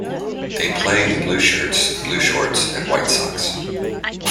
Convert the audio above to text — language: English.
They play in blue shirts, blue shorts and white socks.